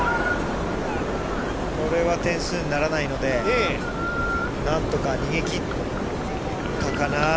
これは点数にならないので、なんとか逃げきったかな。